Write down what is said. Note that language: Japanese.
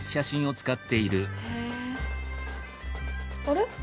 あれ？